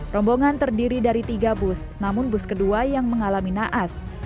rombongan terdiri dari tiga bus namun bus kedua yang mengalami naas